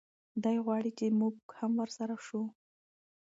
دی غواړي چې موږ هم ورسره شو.